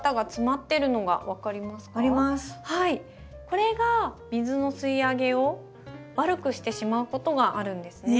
これが水の吸いあげを悪くしてしまうことがあるんですね。